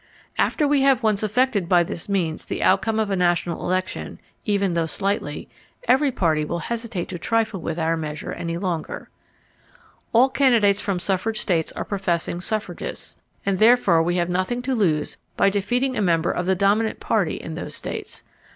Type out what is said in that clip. After we have once affected by this means the outcome of a national election, even though slightly, every party will hesitate to trifle with our measure any longer. All candidates from suffrage states are professing suffragists, and therefore we have nothing to lose by defeating a member of the dominant party in those states.